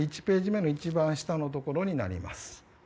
１ページ目の一番下のところになります。